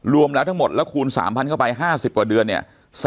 รวมแล้วทั้งหมดแล้วคูณ๓๐๐เข้าไป๕๐กว่าเดือนเนี่ย